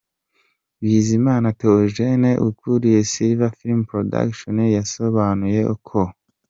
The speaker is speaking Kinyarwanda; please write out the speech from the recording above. Bizimana Théogène ukuriye Silver Film Production, yasobanuye ko .